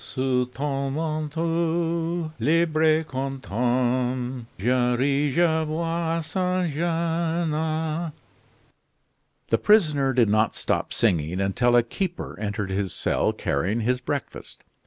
Sous ton manteau, libre et content, Je ris, je bois, sans gene " The prisoner did not stop singing until a keeper entered his cell carrying his breakfast.